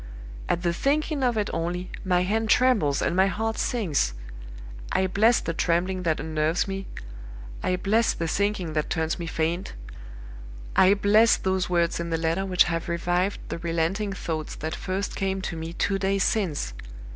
At the thinking of it only, my hand trembles and my heart sinks. I bless the trembling that unnerves me! I bless the sinking that turns me faint! I bless those words in the letter which have revived the relenting thoughts that first came to me two days since!